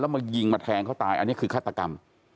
มายิงมาแทงเขาตายอันนี้คือฆาตกรรม